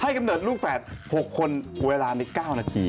กำเนิดลูกแฝด๖คนเวลาใน๙นาที